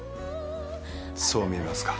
そう見えますか？